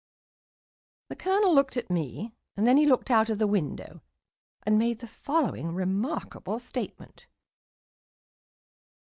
The Colonel looked at me, and then he looked out of the window, and made the following remarkable statement.